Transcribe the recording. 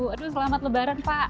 aduh selamat lebaran pak